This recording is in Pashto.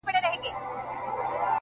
ما هم ورته د پاکي مينې ست خاورې ايرې کړ”